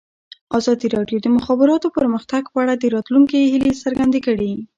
ازادي راډیو د د مخابراتو پرمختګ په اړه د راتلونکي هیلې څرګندې کړې.